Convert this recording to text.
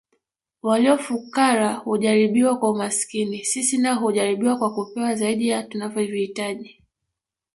Walio fukara hujaribiwa kwa umaskini sisi nao hujaribiwa kwa kupewa zaidi ya tunavyovihitaji